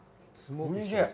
おいしい。